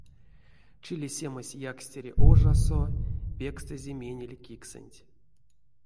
Чилисемась якстере ожасо пекстызе менель киксэнть.